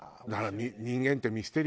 人間ってミステリアスよ